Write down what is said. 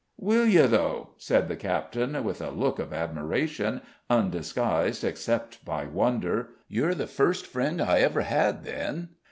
"Will you, though?" said the captain, with a look of admiration, undisguised except by wonder. "You're the first friend I ever had, then.